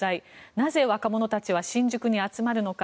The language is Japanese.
なぜ若者たちは新宿に集まるのか